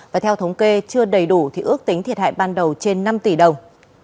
và theo thống kê chưa đầy đủ thì ước tính thiệt hại ban đầu trên năm tỷ đồng